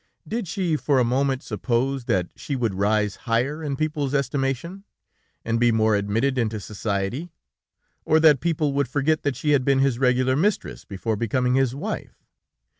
Did she for a moment suppose that she would rise higher in people's estimation, and be more admitted into society, or that people would forget that she had been his regular mistress before becoming his wife?